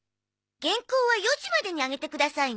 原稿は４時までにあげてくださいね。